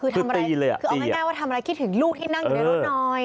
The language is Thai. คือทำอะไรคิดถึงลูกที่นั่งอยู่ในรถหน่อย